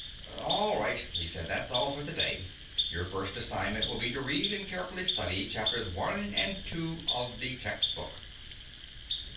"All right," he said. "That's all for today. Your first assignment will be to read and carefully study Chapters One and Two of the textbook."